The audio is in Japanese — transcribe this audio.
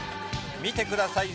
見てください。